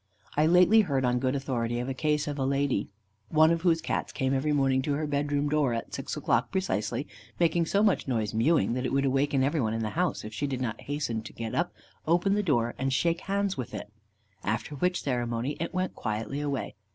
I lately heard, on good authority, of a case of a lady, one of whose Cats came every morning to her bed room door, at six o'clock precisely, making so much noise mewing, that it would awaken every one in the house, if she did not hasten to get up, open the door, and shake hands with it, after which ceremony it went quietly away.